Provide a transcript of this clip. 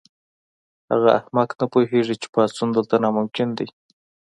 هغه احمق نه پوهیږي چې پاڅون دلته ناممکن دی